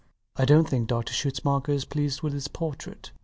I dont think Dr Schutzmacher is pleased with his portrait.